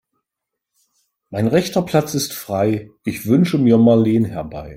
Mein rechter Platz ist frei, ich wünsche mir Marleen herbei.